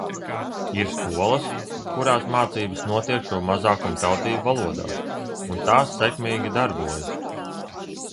Ir skolas, kurās mācības notiek šo mazākumtautību valodās, un tās sekmīgi darbojas.